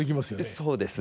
そうですね。